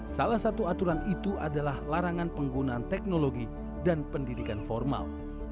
salah satu aturan itu adalah larangan penggunaan teknologi dan pendidikan formal